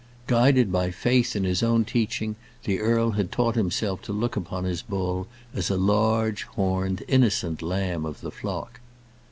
Guided by faith in his own teaching the earl had taught himself to look upon his bull as a large, horned, innocent lamb of the flock.